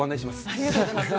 ありがとうございます。